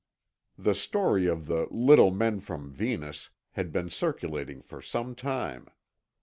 The story of the "little men from Venus" had been circulating for some time.